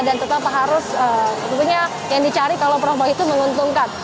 dan tetap harus tentunya yang dicari kalau promo itu menguntungkan